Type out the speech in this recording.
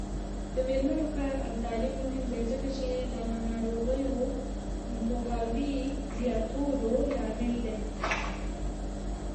د میرمنو کار او تعلیم مهم دی ځکه چې ناروغیو پوهاوي زیاتولو لامل دی.